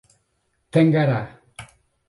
Tangará